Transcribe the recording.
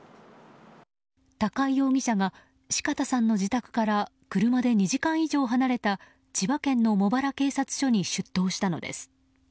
高井容疑者が四方さんの自宅から車で２時間以上離れた千葉県の茂原警察署に出頭したのです。